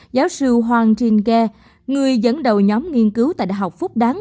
giáo sư hoàng trinh ghe người dẫn đầu nhóm nghiên cứu tại đại học phúc đáng